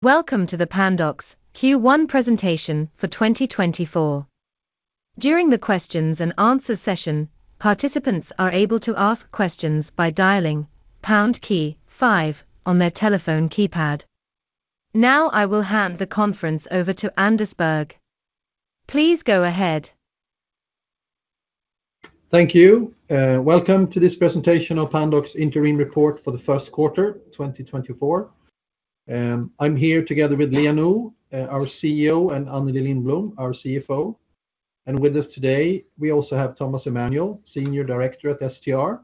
Welcome to the Pandox Q1 presentation for 2024. During the questions and answers session, participants are able to ask questions by dialing pound key 5 on their telephone keypad. Now I will hand the conference over to Anders Berg. Please go ahead. Thank you. Welcome to this presentation on Pandox Interim Report for the first quarter, 2024. I'm here together with Liia Nõu, our CEO, and Anneli Lindblom, our CFO. With us today, we also have Thomas Emanuel, Senior Director at STR.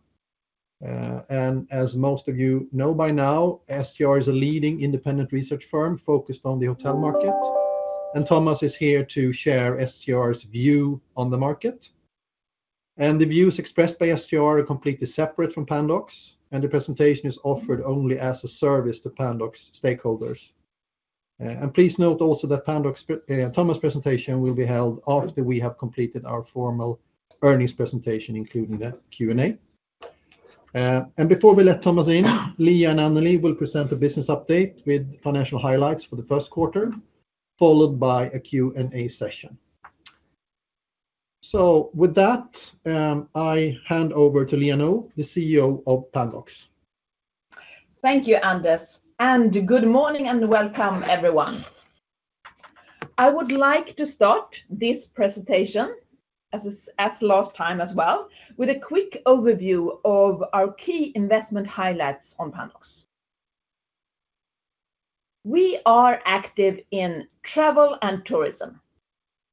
As most of you know by now, STR is a leading independent research firm focused on the hotel market, and Thomas is here to share STR's view on the market. The views expressed by STR are completely separate from Pandox, and the presentation is offered only as a service to Pandox stakeholders. Please note also that Pandox's pre Thomas's presentation will be held after we have completed our formal earnings presentation, including the Q&A. Before we let Thomas in, Liia and Anneli will present a business update with financial highlights for the first quarter, followed by a Q&A session. So with that, I hand over to Liia Nõu, the CEO of Pandox. Thank you, Anders. And good morning and welcome, everyone. I would like to start this presentation, as last time as well, with a quick overview of our key investment highlights on Pandox. We are active in travel and tourism.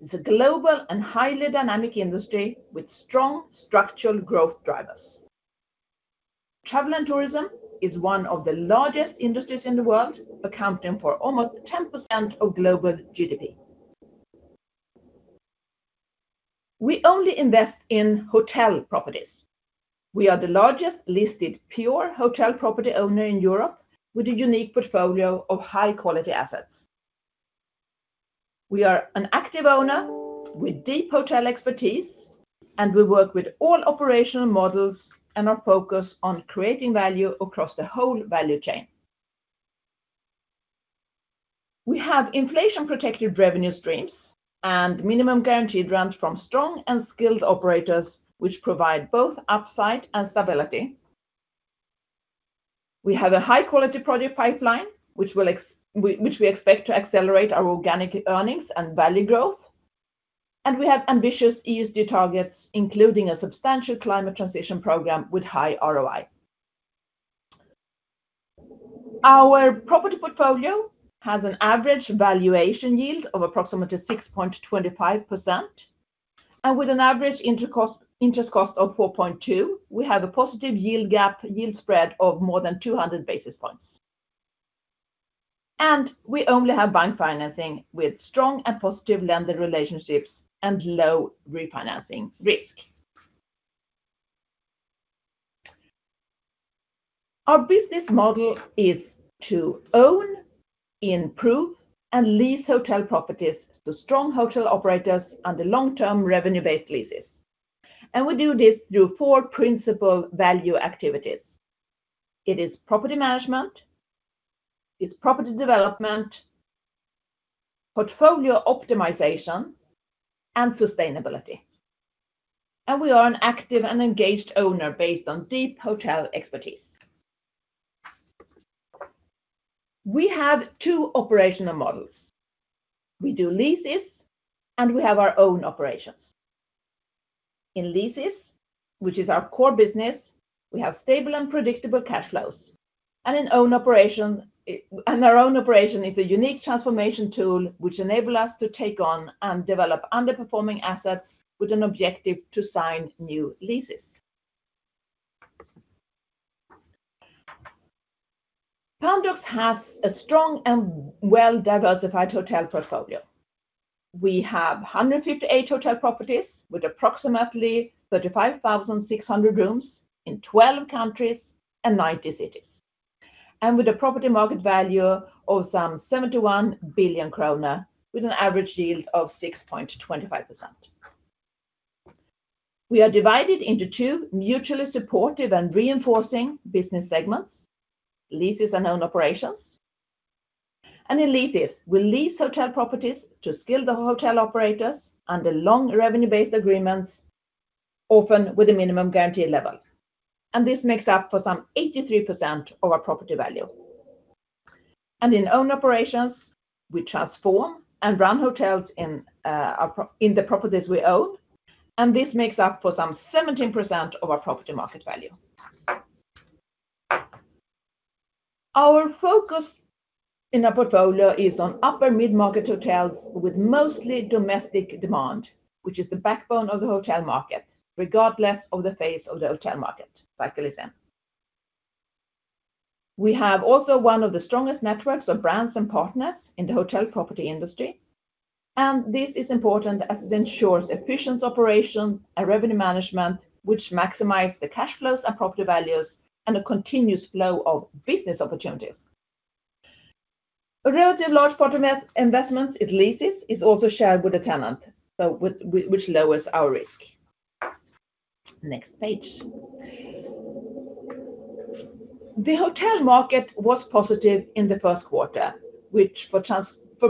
It's a global and highly dynamic industry with strong structural growth drivers. Travel and tourism is one of the largest industries in the world, accounting for almost 10% of global GDP. We only invest in hotel properties. We are the largest listed pure hotel property owner in Europe with a unique portfolio of high-quality assets. We are an active owner with deep hotel expertise, and we work with all operational models and are focused on creating value across the whole value chain. We have inflation-protected revenue streams and minimum guaranteed rents from strong and skilled operators, which provide both upside and stability. We have a high-quality project pipeline, which we expect to accelerate our organic earnings and value growth. We have ambitious ESG targets, including a substantial climate transition program with high ROI. Our property portfolio has an average valuation yield of approximately 6.25%. With an average interest cost of 4.2, we have a positive yield gap yield spread of more than 200 basis points. We only have bank financing with strong and positive lender relationships and low refinancing risk. Our business model is to own, improve, and lease hotel properties to strong hotel operators under long-term revenue-based leases. We do this through four principal value activities. It is property management, it's property development, portfolio optimization, and sustainability. We are an active and engaged owner based on deep hotel expertise. We have two operational models. We do leases, and we have our own operations. In leases, which is our core business, we have stable and predictable cash flows. In own operations, our own operations is a unique transformation tool which enables us to take on and develop underperforming assets with an objective to sign new leases. Pandox has a strong and well-diversified hotel portfolio. We have 158 hotel properties with approximately 35,600 rooms in 12 countries and 90 cities, and with a property market value of some 71 billion kronor with an average yield of 6.25%. We are divided into two mutually supportive and reinforcing business segments, leases and own operations. In leases, we lease hotel properties to skilled hotel operators under long revenue-based agreements, often with a minimum guaranteed level. This makes up for some 83% of our property value. In own operations, we transform and run hotels in our portfolio in the properties we own. This makes up for some 17% of our property market value. Our focus in our portfolio is on upper mid-market hotels with mostly domestic demand, which is the backbone of the hotel market, regardless of the phase of the hotel market cycle is in. We have also one of the strongest networks of brands and partners in the hotel property industry. This is important as it ensures efficient operation and revenue management, which maximize the cash flows and property values and a continuous flow of business opportunities. A relatively large part of investments in leases is also shared with the tenant, so with which lowers our risk. Next page. The hotel market was positive in the first quarter, which for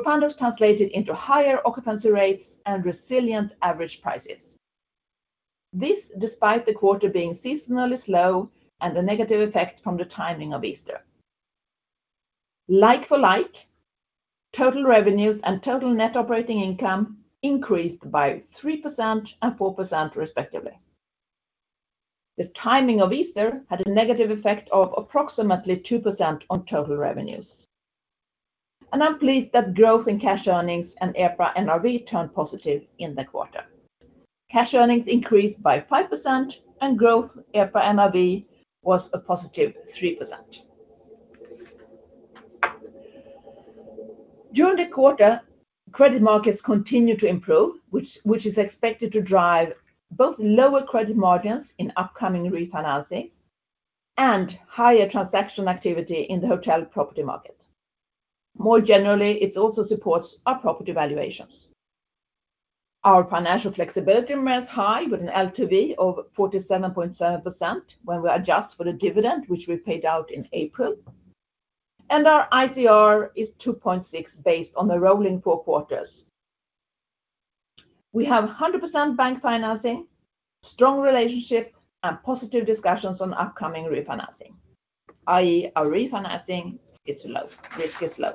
Pandox translated into higher occupancy rates and resilient average prices. This despite the quarter being seasonally slow and the negative effect from the timing of Easter. Like for like, total revenues and total net operating income increased by 3% and 4%, respectively. The timing of Easter had a negative effect of approximately 2% on total revenues. And I'm pleased that growth in cash earnings and EPRA NRV turned positive in the quarter. Cash earnings increased by 5%, and growth EPRA NRV was a positive 3%. During the quarter, credit markets continued to improve, which is expected to drive both lower credit margins in upcoming refinancing and higher transaction activity in the hotel property market. More generally, it also supports our property valuations. Our financial flexibility remains high, with an LTV of 47.7% when we adjust for the dividend, which we paid out in April. Our ICR is 2.6 based on the rolling four quarters. We have 100% bank financing, strong relationship, and positive discussions on upcoming refinancing, i.e., our refinancing is low. Risk is low.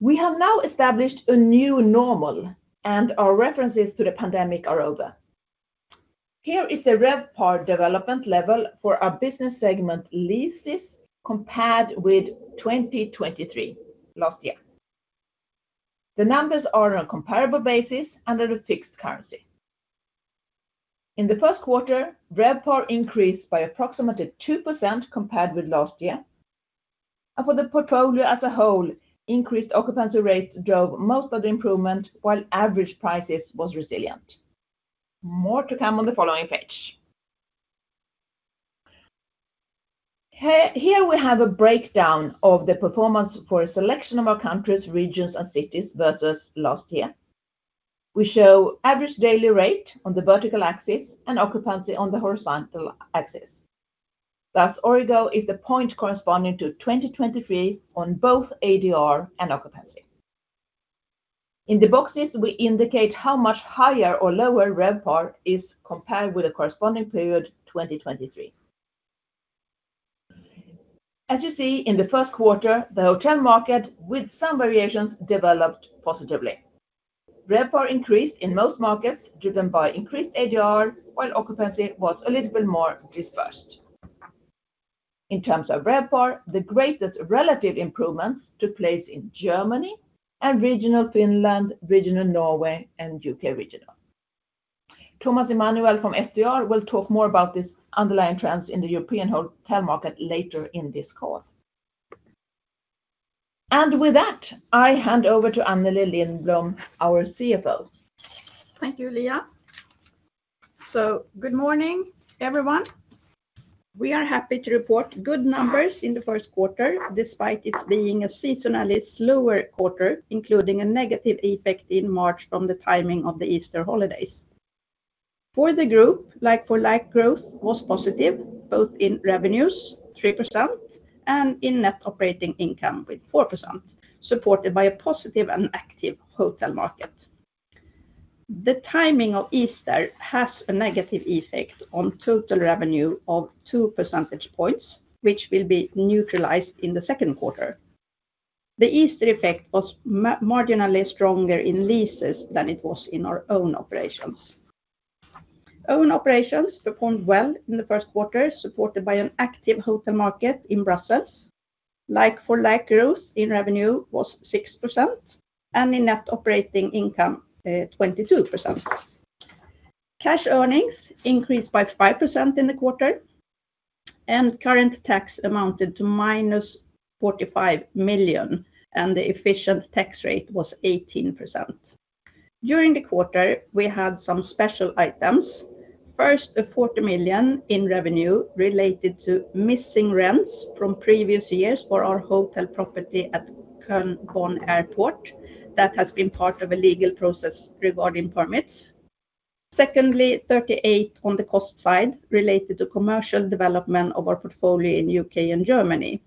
We have now established a new normal, and our references to the pandemic are over. Here is the RevPAR development level for our business segment leases compared with 2023, last year. The numbers are on a comparable basis under the fixed currency. In the first quarter, RevPAR increased by approximately 2% compared with last year. For the portfolio as a whole, increased occupancy rates drove most of the improvement, while average prices were resilient. More to come on the following page. Here, we have a breakdown of the performance for a selection of our countries, regions, and cities versus last year. We show average daily rate on the vertical axis and occupancy on the horizontal axis. Thus, origin is the point corresponding to 2023 on both ADR and occupancy. In the boxes, we indicate how much higher or lower RevPAR is compared with the corresponding period, 2023. As you see, in the first quarter, the hotel market, with some variations, developed positively. RevPAR increased in most markets, driven by increased ADR, while occupancy was a little bit more dispersed. In terms of RevPAR, the greatest relative improvements took place in Germany and regional Finland, regional Norway, and U.K. regional. Thomas Emanuel from STR will talk more about this underlying trends in the European hotel market later in this call. And with that, I hand over to Anneli Lindblom, our CFO. Thank you, Liia. So good morning, everyone. We are happy to report good numbers in the first quarter, despite it being a seasonally slower quarter, including a negative effect in March from the timing of the Easter holidays. For the group, like for like, growth was positive, both in revenues, 3%, and in net operating income, with 4%, supported by a positive and active hotel market. The timing of Easter has a negative effect on total revenue of 2 percentage points, which will be neutralized in the second quarter. The Easter effect was marginally stronger in leases than it was in our own operations. Own operations performed well in the first quarter, supported by an active hotel market in Brussels. Like for like, growth in revenue was 6%, and in net operating income, 22%. Cash earnings increased by 5% in the quarter, and current tax amounted to -45 million, and the efficient tax rate was 18%. During the quarter, we had some special items. First, 40 million in revenue related to missing rents from previous years for our hotel property at Köln-Bonn Airport that has been part of a legal process regarding permits. Secondly, 38 million on the cost side related to commercial development of our portfolio in U.K. and Germany.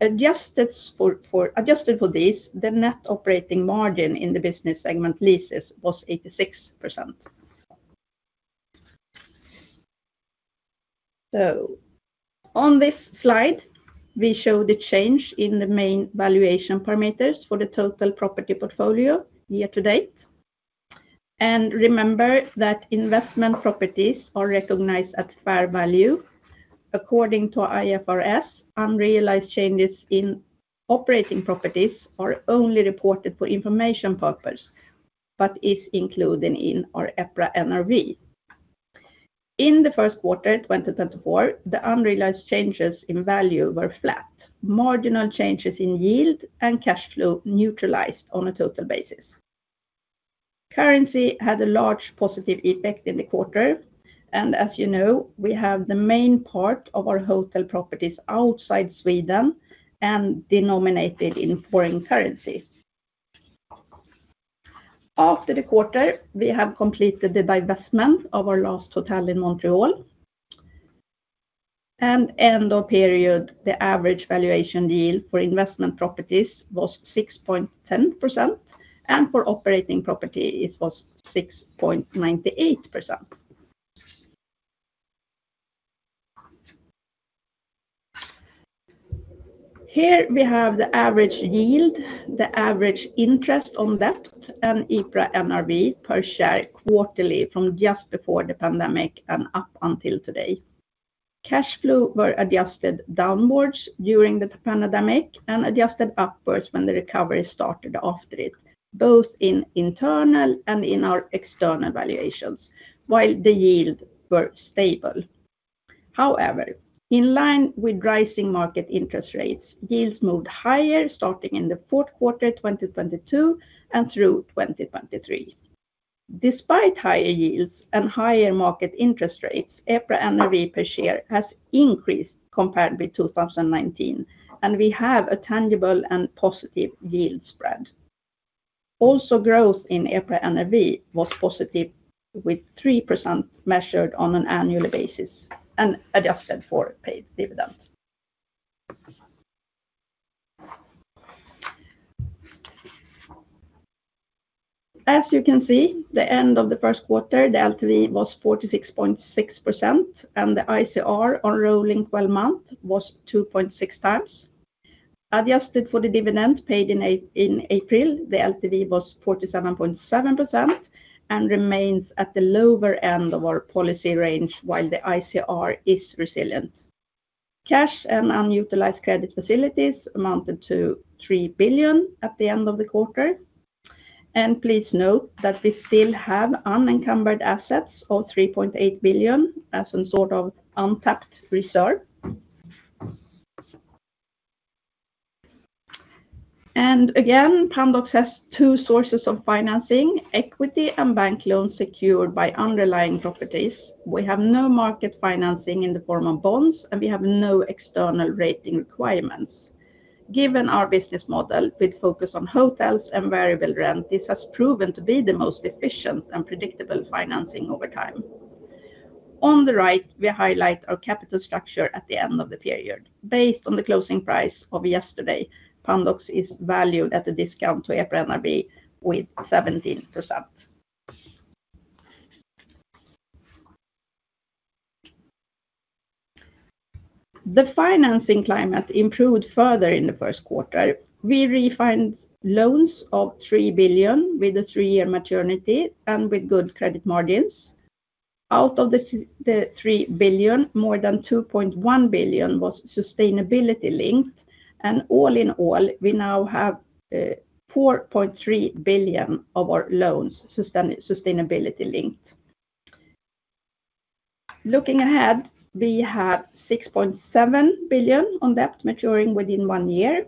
Adjusted for these, the net operating margin in the business segment leases was 86%. So on this slide, we show the change in the main valuation parameters for the total property portfolio year to date. Remember that investment properties are recognized at fair value. According to IFRS, unrealized changes in operating properties are only reported for information purposes but are included in our EPRA NRV. In the first quarter, 2024, the unrealized changes in value were flat, marginal changes in yield and cash flow neutralized on a total basis. Currency had a large positive effect in the quarter. As you know, we have the main part of our hotel properties outside Sweden and denominated in foreign currency. After the quarter, we have completed the divestment of our last hotel in Montreal. End of period, the average valuation yield for investment properties was 6.10%, and for operating property, it was 6.98%. Here we have the average yield, the average interest on debt, and EPRA NRV per share quarterly from just before the pandemic and up until today. Cash flows were adjusted downwards during the pandemic and adjusted upwards when the recovery started after it, both in internal and in our external valuations, while the yields were stable. However, in line with rising market interest rates, yields moved higher starting in the fourth quarter, 2022, and through 2023. Despite higher yields and higher market interest rates, EPRA NRV per share has increased compared with 2019, and we have a tangible and positive yield spread. Also, growth in EPRA NRV was positive, with 3% measured on an annual basis and adjusted for paid dividends. As you can see, the end of the first quarter, the LTV was 46.6%, and the ICR on rolling 12-month was 2.6 times. Adjusted for the dividend paid in April, the LTV was 47.7% and remains at the lower end of our policy range, while the ICR is resilient. Cash and unutilized credit facilities amounted to 3 billion at the end of the quarter. Please note that we still have unencumbered assets of 3.8 billion as a sort of untapped reserve. Again, Pandox has 2 sources of financing: equity and bank loans secured by underlying properties. We have no market financing in the form of bonds, and we have no external rating requirements. Given our business model with focus on hotels and variable rent, this has proven to be the most efficient and predictable financing over time. On the right, we highlight our capital structure at the end of the period. Based on the closing price of yesterday, Pandox is valued at a discount to EPRA NRV with 17%. The financing climate improved further in the first quarter. We refinanced loans of 3 billion with a 3-year maturity and with good credit margins. Out of the 3 billion, more than 2.1 billion was sustainability-linked. All in all, we now have 4.3 billion of our loans sustainability-linked. Looking ahead, we have 6.7 billion on debt maturing within one year,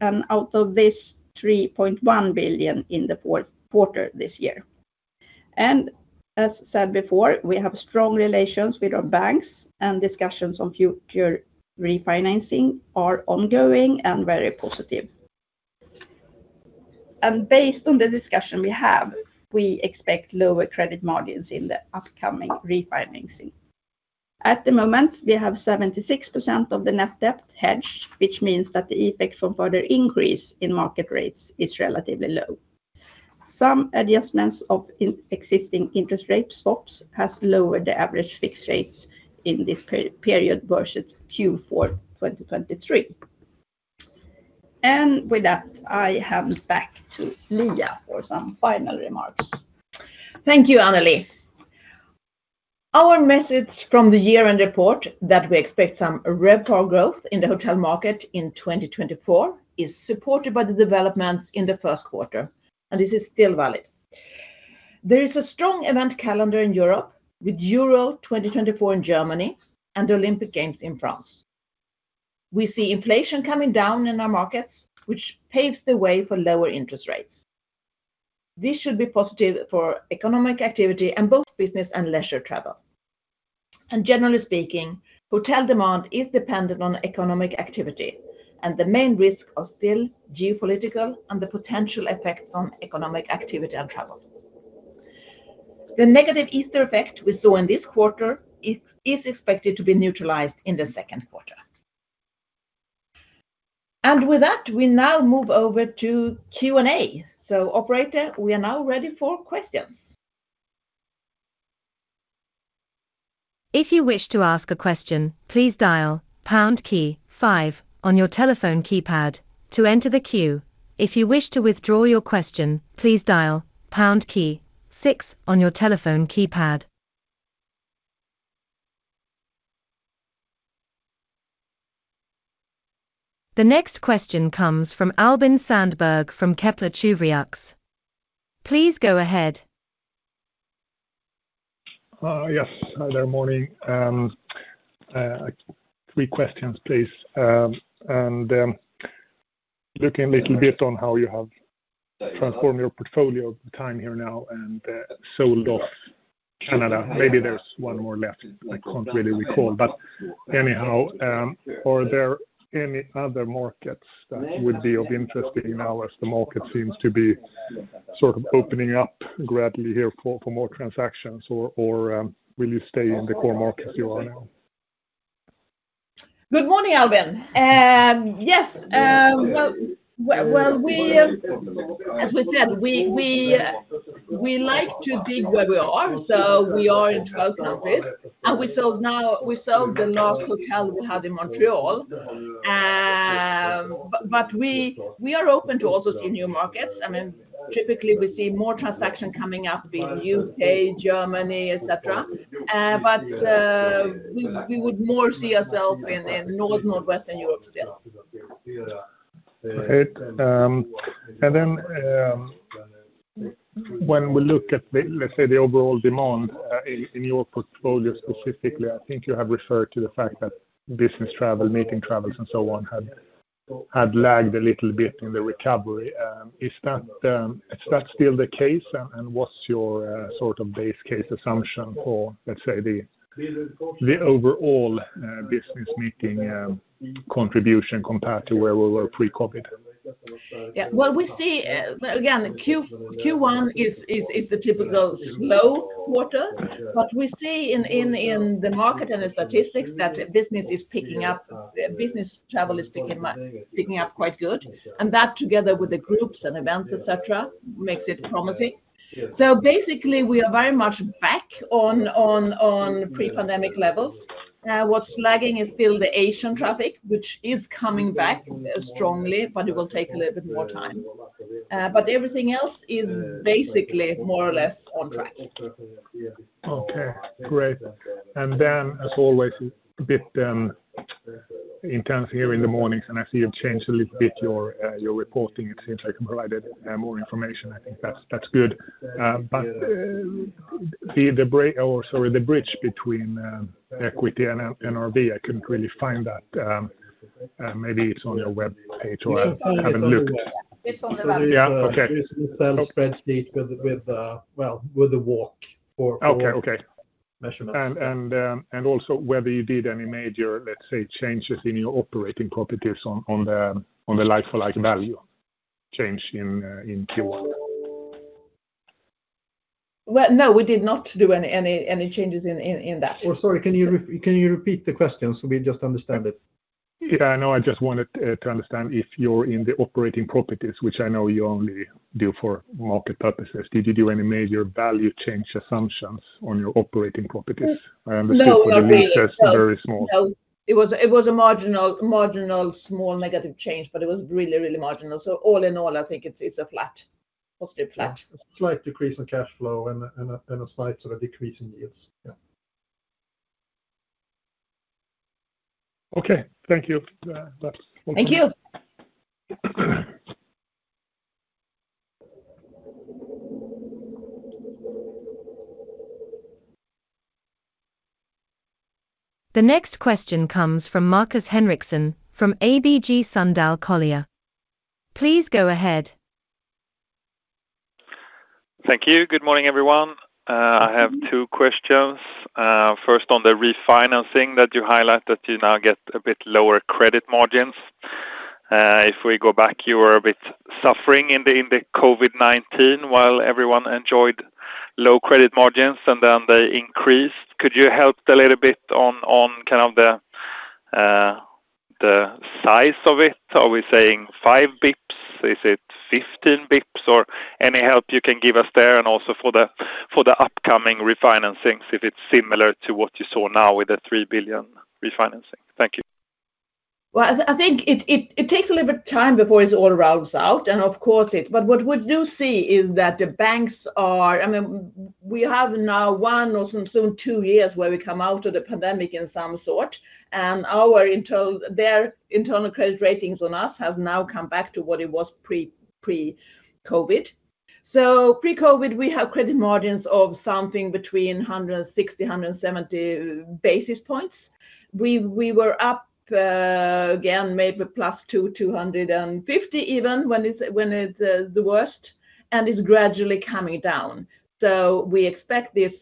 and out of this, 3.1 billion in the fourth quarter this year. As said before, we have strong relations with our banks, and discussions on future refinancing are ongoing and very positive. Based on the discussion we have, we expect lower credit margins in the upcoming refinancing. At the moment, we have 76% of the net debt hedged, which means that the effect from further increase in market rates is relatively low. Some adjustments of existing interest rate swaps have lowered the average fixed rates in this period versus Q4 2023. With that, I hand back to Liia for some final remarks. Thank you, Anneli. Our message from the year-end report that we expect some RevPAR growth in the hotel market in 2024 is supported by the developments in the first quarter, and this is still valid. There is a strong event calendar in Europe, with Euro 2024 in Germany and the Olympic Games in France. We see inflation coming down in our markets, which paves the way for lower interest rates. This should be positive for economic activity and both business and leisure travel. Generally speaking, hotel demand is dependent on economic activity, and the main risk is still geopolitical and the potential effects on economic activity and travel. The negative Easter effect we saw in this quarter is expected to be neutralized in the second quarter. With that, we now move over to Q&A. Operator, we are now ready for questions. If you wish to ask a question, please dial pound key 5 on your telephone keypad to enter the queue. If you wish to withdraw your question, please dial pound key 6 on your telephone keypad. The next question comes from Albin Sandberg from Kepler Cheuvreux. Please go ahead. Yes. Hi there. Morning. Three questions, please. Looking a little bit on how you have transformed your portfolio time here now and sold off Canada. Maybe there's one more left. I can't really recall. But anyhow, are there any other markets that would be of interest to you now as the market seems to be sort of opening up gradually here for more transactions? Or will you stay in the core markets you are now? Good morning, Albin. Yes. Well, as we said, we like to dig where we are. So we are in 12 countries, and we sold the last hotel we had in Montreal. But we are open to also see new markets. I mean, typically, we see more transaction coming up in the UK, Germany, etc. But we would more see ourselves in northwestern Europe still. Great. And then, when we look at the, let's say, the overall demand, in your portfolio specifically, I think you have referred to the fact that business travel, meeting travels, and so on had lagged a little bit in the recovery. Is that still the case? And what's your, sort of base case assumption for, let's say, the overall business meeting contribution compared to where we were pre-COVID? Yeah. Well, we see, again, Q1 is the typical slow quarter. But we see in the market and the statistics that business is picking up, business travel is picking up quite good. And that, together with the groups and events, etc., makes it promising. So basically, we are very much back on pre-pandemic levels. What's lagging is still the Asian traffic, which is coming back strongly, but it will take a little bit more time. But everything else is basically more or less on track. Okay. Great. And then, as always, a bit intense here in the mornings. And I see you've changed a little bit your, your reporting. It seems like you provided more information. I think that's, that's good. But the bridge between equity and NRV, I couldn't really find that. Maybe it's on your web page, or I haven't looked. It's on the web page. Yeah. Okay. It's in the sales spreadsheet with the WACC for measurements. And also whether you did any major, let's say, changes in your operating properties on the like-for-like value change in Q1? Well, no. We did not do any changes in that. Or sorry, can you repeat the question so we just understand it? Yeah. No, I just wanted to understand if you're in the operating properties, which I know you only do for market purposes. Did you do any major value change assumptions on your operating properties? I understood for the leases very small. No. No. No. It was a marginal, marginal small negative change, but it was really, really marginal. So all in all, I think it's a flat positive flat. A slight decrease in cash flow and a slight sort of decrease in yields. Yeah. Okay. Thank you. That's all. Thank you. The next question comes from Markus Henriksson from ABG Sundal Collier. Please go ahead. Thank you. Good morning, everyone. I have two questions. First, on the refinancing that you highlight that you now get a bit lower credit margins. If we go back, you were a bit suffering in the in the COVID-19 while everyone enjoyed low credit margins, and then they increased. Could you help a little bit on, on kind of the, the size of it? Are we saying 5 bps? Is it 15 bps? Or any help you can give us there and also for the for the upcoming refinancings if it's similar to what you saw now with the 3 billion refinancing? Thank you. Well, I think it takes a little bit of time before it all rounds out. And of course, what we do see is that the banks are. I mean, we have now one or soon two years where we come out of the pandemic in some sort. And their internal credit ratings on us have now come back to what it was pre-COVID. So pre-COVID, we had credit margins of something between 160-170 basis points. We were up, again, maybe plus 2,250 even when it was the worst. And it's gradually coming down. So we expect this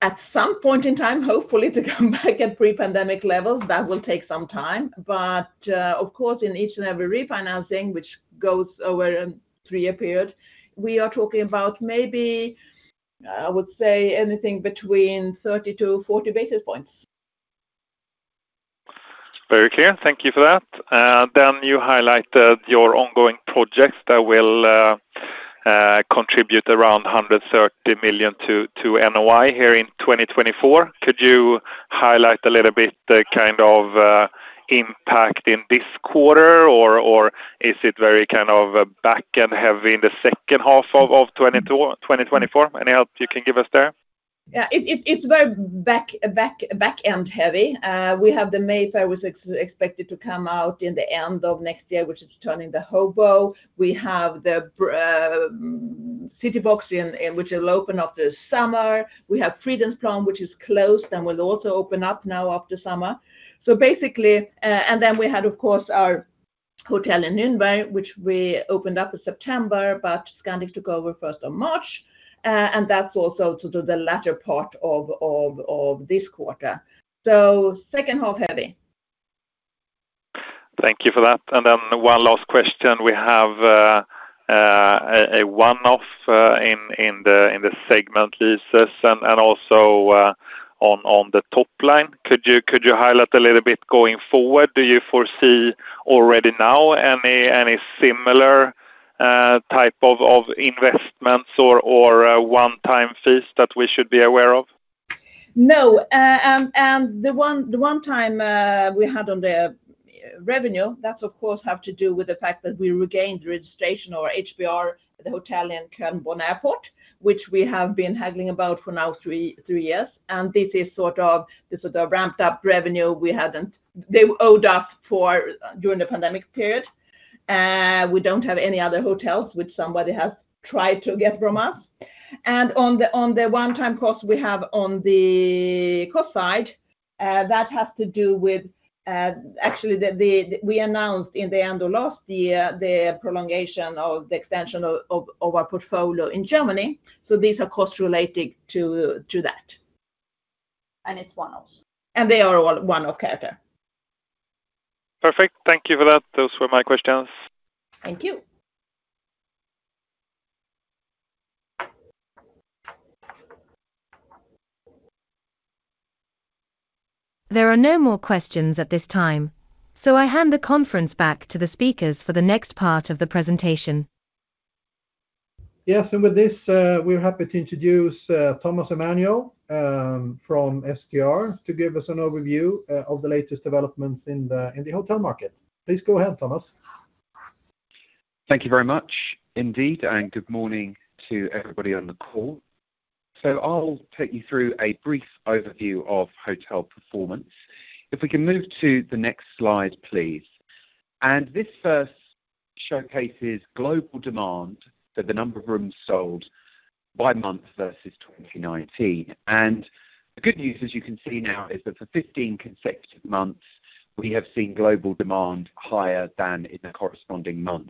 at some point in time, hopefully, to come back at pre-pandemic levels. That will take some time. Of course, in each and every refinancing, which goes over a 3-year period, we are talking about maybe, I would say, anything between 30-40 basis points. Very clear. Thank you for that. Then you highlighted your ongoing projects that will contribute around 130 million to NOI here in 2024. Could you highlight a little bit the kind of impact in this quarter? Or is it very kind of back-end heavy in the second half of 2024? Any help you can give us there? Yeah. It's very back-end heavy. We have the Mayfair which is expected to come out in the end of next year, which is turning the Hobo. We have the Brussels Citybox in which will open up this summer. We have Fridhemsplan, which is closed and will also open up now after summer. So basically, and then we had, of course, our hotel in Nürnberg, which we opened up in September, but Scandic took over first on March. And that's also sort of the latter part of this quarter. So second half heavy. Thank you for that. And then one last question. We have a one-off in the segment leases and also on the top line. Could you highlight a little bit going forward? Do you foresee already now any similar type of investments or one-time fees that we should be aware of? No, and the one-time we had on the revenue, that's, of course, have to do with the fact that we regained registration of RevPAR, the hotel in Köln-Bonn Airport, which we have been haggling about for now 3 years. And this is sort of the ramped-up revenue that they owed us for during the pandemic period. We don't have any other hotels which somebody has tried to get from us. And on the one-time cost we have on the cost side, that has to do with, actually, we announced in the end of last year the prolongation of the extension of our portfolio in Germany. So these are cost-related to that. It's one-off. They are all one-off character. Perfect. Thank you for that. Those were my questions. Thank you. There are no more questions at this time, so I hand the conference back to the speakers for the next part of the presentation. Yes. And with this, we're happy to introduce Thomas Emanuel from STR to give us an overview of the latest developments in the hotel market. Please go ahead, Thomas. Thank you very much, indeed. Good morning to everybody on the call. I'll take you through a brief overview of hotel performance. If we can move to the next slide, please. This first showcases global demand, so the number of rooms sold by month versus 2019. The good news, as you can see now, is that for 15 consecutive months, we have seen global demand higher than in the corresponding month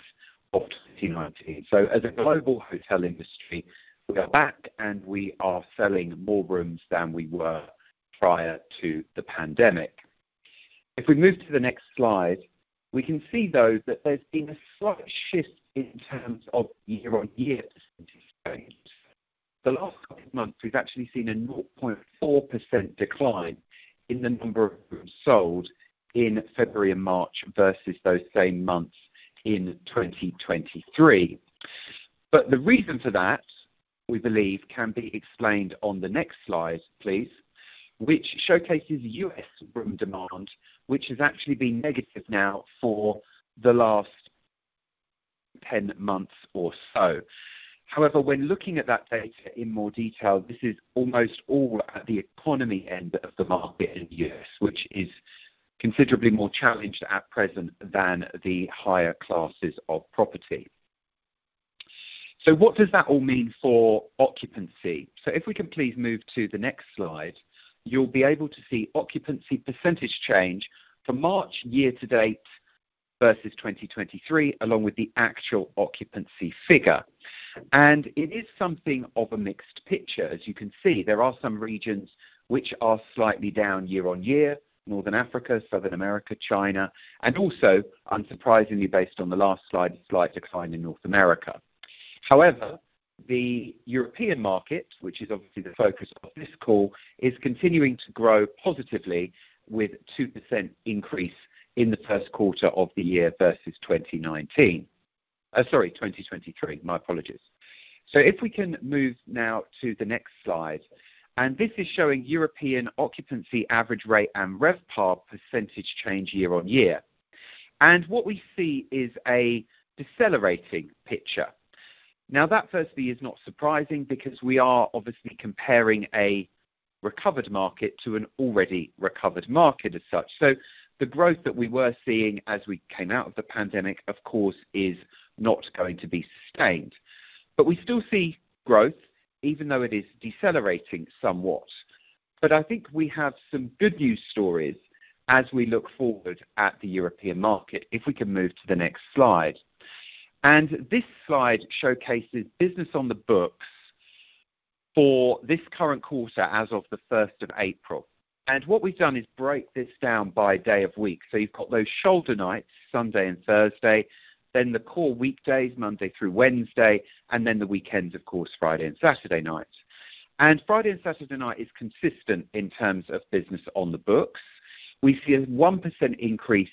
of 2019. As a global hotel industry, we are back, and we are selling more rooms than we were prior to the pandemic. If we move to the next slide, we can see, though, that there's been a slight shift in terms of year-on-year percentage change. The last couple of months, we've actually seen a 0.4% decline in the number of rooms sold in February and March versus those same months in 2023. But the reason for that, we believe, can be explained on the next slide, please, which showcases U.S. room demand, which has actually been negative now for the last 10 months or so. However, when looking at that data in more detail, this is almost all at the economy end of the market in the U.S., which is considerably more challenged at present than the higher classes of property. So what does that all mean for occupancy? So if we can please move to the next slide, you'll be able to see occupancy percentage change for March year-to-date versus 2023, along with the actual occupancy figure. And it is something of a mixed picture. As you can see, there are some regions which are slightly down year-on-year: Northern Africa, Southern America, China, and also, unsurprisingly, based on the last slide, a slight decline in North America. However, the European market, which is obviously the focus of this call, is continuing to grow positively with a 2% increase in the first quarter of the year versus 2019 sorry, 2023. My apologies. If we can move now to the next slide. This is showing European occupancy average rate and RevPAR percentage change year-on-year. What we see is a decelerating picture. Now, that, firstly, is not surprising because we are obviously comparing a recovered market to an already recovered market as such. The growth that we were seeing as we came out of the pandemic, of course, is not going to be sustained. We still see growth, even though it is decelerating somewhat. I think we have some good news stories as we look forward at the European market if we can move to the next slide. This slide showcases business on the books for this current quarter as of the 1st of April. What we've done is break this down by day of week. So you've got those shoulder nights, Sunday and Thursday, then the core weekdays, Monday through Wednesday, and then the weekends, of course, Friday and Saturday nights. Friday and Saturday night is consistent in terms of business on the books. We see a 1% increase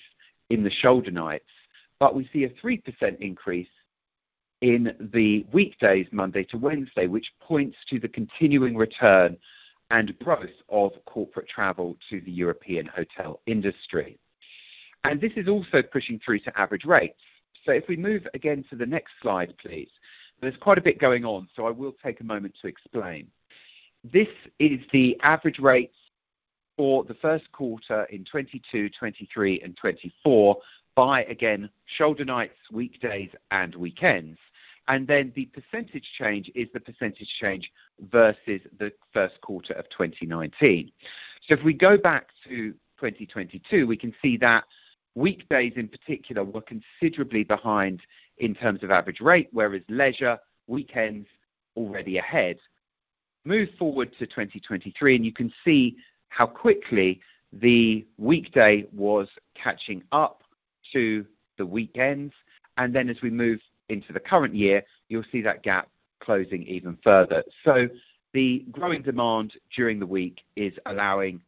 in the shoulder nights, but we see a 3% increase in the weekdays, Monday to Wednesday, which points to the continuing return and growth of corporate travel to the European hotel industry. This is also pushing through to average rates. So if we move again to the next slide, please. There's quite a bit going on, so I will take a moment to explain. This is the average rates for the first quarter in 2022, 2023, and 2024 by, again, shoulder nights, weekdays, and weekends. And then the percentage change is the percentage change versus the first quarter of 2019. So if we go back to 2022, we can see that weekdays, in particular, were considerably behind in terms of average rate, whereas leisure, weekends, already ahead. Move forward to 2023, and you can see how quickly the weekday was catching up to the weekends. And then as we move into the current year, you'll see that gap closing even further. So the growing demand during the week is allowing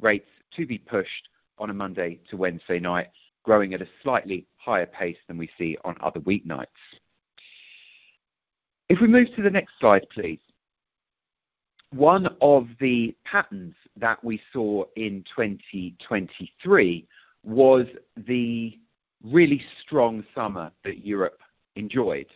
rates to be pushed on a Monday to Wednesday night, growing at a slightly higher pace than we see on other weeknights. If we move to the next slide, please. One of the patterns that we saw in 2023 was the really strong summer that Europe enjoyed.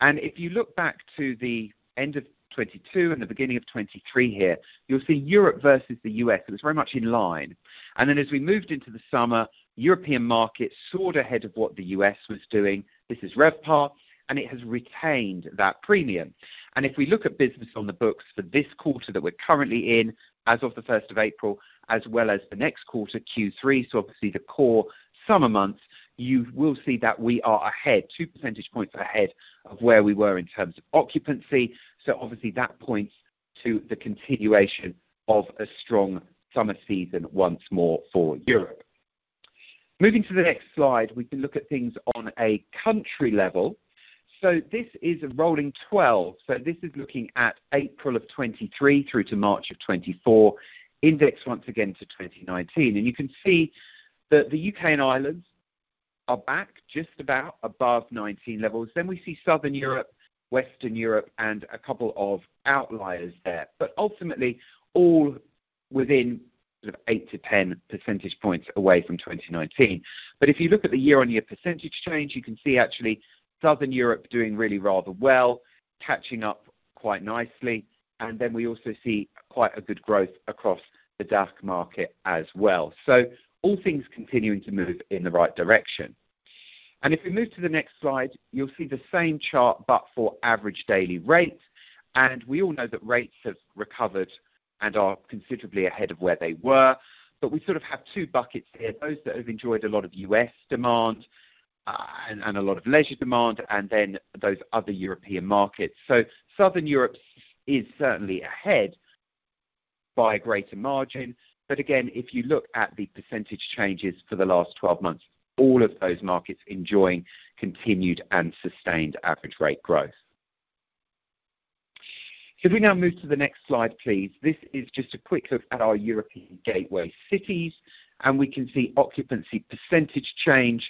If you look back to the end of 2022 and the beginning of 2023 here, you'll see Europe versus the U.S. It was very much in line. Then as we moved into the summer, European markets soared ahead of what the U.S. was doing. This is RevPAR, and it has retained that premium. If we look at business on the books for this quarter that we're currently in, as of the 1st of April, as well as the next quarter, Q3, so obviously the core summer months, you will see that we are ahead, 2 percentage points ahead of where we were in terms of occupancy. So obviously, that points to the continuation of a strong summer season once more for Europe. Moving to the next slide, we can look at things on a country level. So this is a rolling 12. So this is looking at April of 2023 through to March of 2024, index once again to 2019. And you can see that the U.K. and Ireland are back just about above 2019 levels. Then we see Southern Europe, Western Europe, and a couple of outliers there, but ultimately all within sort of 8-10 percentage points away from 2019. But if you look at the year-on-year percentage change, you can see, actually, Southern Europe doing really rather well, catching up quite nicely. And then we also see quite a good growth across the DACH market as well. So all things continuing to move in the right direction. And if we move to the next slide, you'll see the same chart but for average daily rates. We all know that rates have recovered and are considerably ahead of where they were. But we sort of have two buckets here, those that have enjoyed a lot of U.S. demand, and a lot of leisure demand, and then those other European markets. Southern Europe is certainly ahead by a greater margin. Again, if you look at the percentage changes for the last 12 months, all of those markets enjoying continued and sustained average rate growth. If we now move to the next slide, please. This is just a quick look at our European gateway cities. We can see occupancy percentage change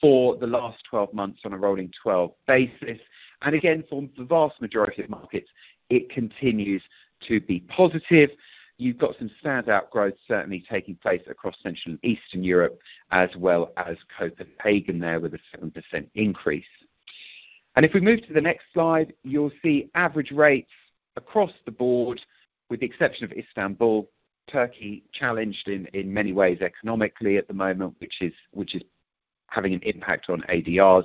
for the last 12 months on a rolling 12 basis. Again, for the vast majority of markets, it continues to be positive. You've got some standout growth certainly taking place across Central and Eastern Europe, as well as Copenhagen there with a 7% increase. If we move to the next slide, you'll see average rates across the board, with the exception of Istanbul, Turkey challenged in many ways economically at the moment, which is having an impact on ADRs.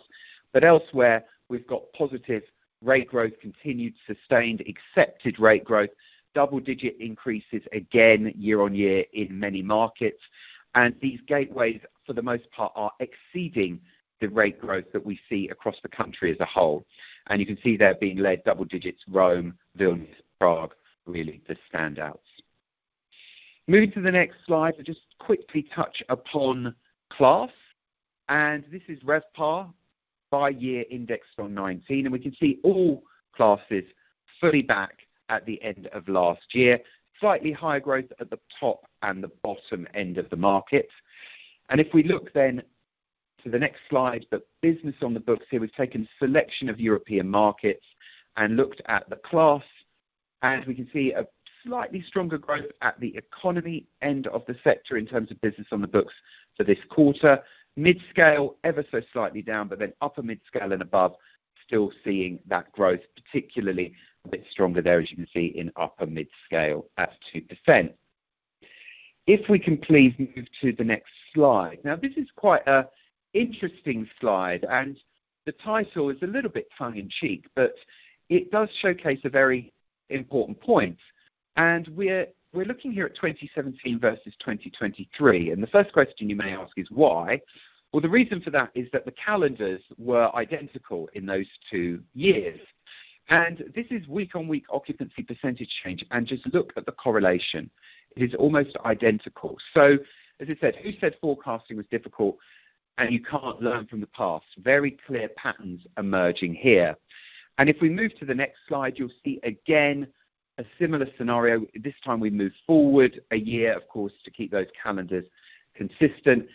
But elsewhere, we've got positive rate growth, continued, sustained, accepted rate growth, double-digit increases again year-on-year in many markets. These gateways, for the most part, are exceeding the rate growth that we see across the country as a whole. You can see there being led double-digits: Rome, Vilnius, Prague, really the standouts. Moving to the next slide, I'll just quickly touch upon class. This is RevPAR by year indexed on 2019. We can see all classes fully back at the end of last year, slightly higher growth at the top and the bottom end of the market. If we look then to the next slide, the business on the books here, we've taken a selection of European markets and looked at the class. We can see a slightly stronger growth at the economy end of the sector in terms of business on the books for this quarter. Mid-scale ever so slightly down, but then upper mid-scale and above still seeing that growth, particularly a bit stronger there, as you can see, in upper mid-scale at 2%. If we can please move to the next slide. Now, this is quite an interesting slide. The title is a little bit tongue-in-cheek, but it does showcase a very important point. We're looking here at 2017 versus 2023. The first question you may ask is why? Well, the reason for that is that the calendars were identical in those two years. This is week-on-week occupancy percentage change. Just look at the correlation. It is almost identical. So as I said, who said forecasting was difficult? You can't learn from the past. Very clear patterns emerging here. If we move to the next slide, you'll see, again, a similar scenario. This time, we move forward a year, of course, to keep those calendars consistent.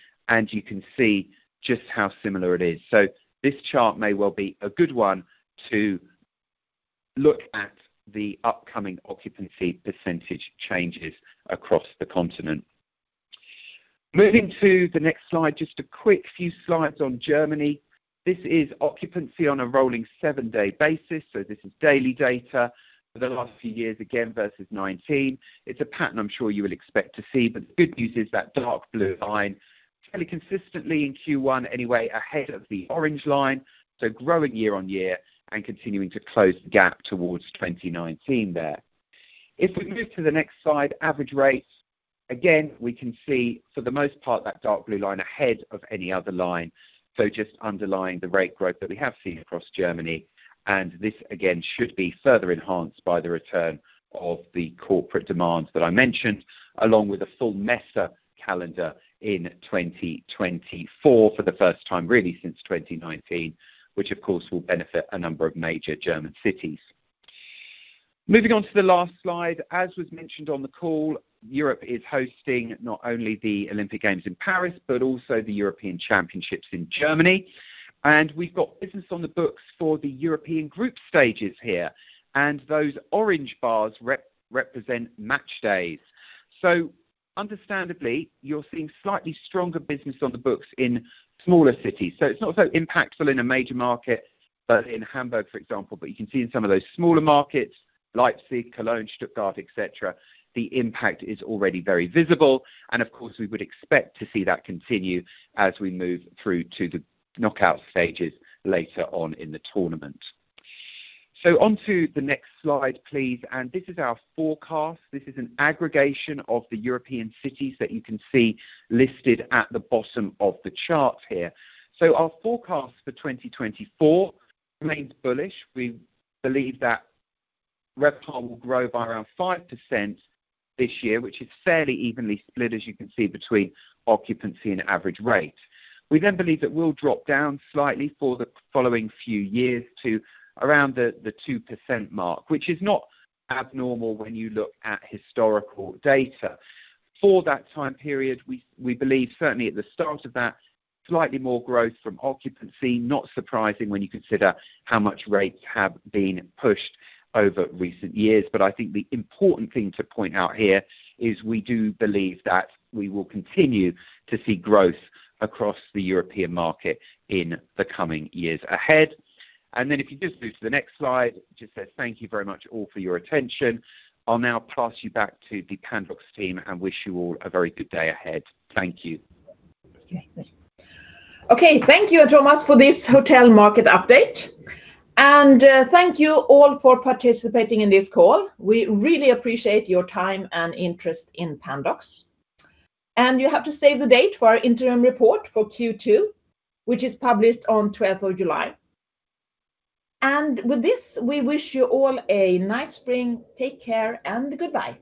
You can see just how similar it is. So this chart may well be a good one to look at the upcoming occupancy percentage changes across the continent. Moving to the next slide, just a quick few slides on Germany. This is occupancy on a rolling 7-day basis. So this is daily data for the last few years, again, versus 2019. It's a pattern I'm sure you will expect to see. But the good news is that dark blue line fairly consistently in Q1 anyway ahead of the orange line, so growing year-on-year and continuing to close the gap towards 2019 there. If we move to the next slide, average rates. Again, we can see, for the most part, that dark blue line ahead of any other line, so just underlying the rate growth that we have seen across Germany. And this, again, should be further enhanced by the return of the corporate demands that I mentioned, along with a full Messe calendar in 2024 for the first time, really, since 2019, which, of course, will benefit a number of major German cities. Moving on to the last slide. As was mentioned on the call, Europe is hosting not only the Olympic Games in Paris but also the European Championships in Germany. We've got business on the books for the European group stages here. Those orange bars represent match days. So understandably, you're seeing slightly stronger business on the books in smaller cities. It's not so impactful in a major market, but in Hamburg, for example. You can see in some of those smaller markets, Leipzig, Cologne, Stuttgart, etc., the impact is already very visible. Of course, we would expect to see that continue as we move through to the knockout stages later on in the tournament. Onto the next slide, please. This is our forecast. This is an aggregation of the European cities that you can see listed at the bottom of the chart here. So our forecast for 2024 remains bullish. We believe that RevPAR will grow by around 5% this year, which is fairly evenly split, as you can see, between occupancy and average rate. We then believe that we'll drop down slightly for the following few years to around the 2% mark, which is not abnormal when you look at historical data. For that time period, we believe, certainly at the start of that, slightly more growth from occupancy, not surprising when you consider how much rates have been pushed over recent years. But I think the important thing to point out here is we do believe that we will continue to see growth across the European market in the coming years ahead. And then if you just move to the next slide, it just says, "Thank you very much all for your attention." I'll now pass you back to the Pandox team and wish you all a very good day ahead. Thank you. Yes, please. Okay. Thank you, Thomas, for this hotel market update. And thank you all for participating in this call. We really appreciate your time and interest in Pandox. And you have to save the date for our interim report for Q2, which is published on 12th of July. And with this, we wish you all a nice spring. Take care and goodbye.